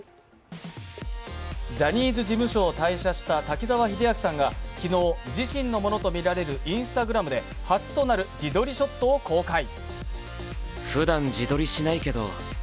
ジャニーズ事務所を退所した滝沢秀明さんが昨日、自身のものとみられるＩｎｓｔａｇｒａｍで初となる自撮りショットを公開。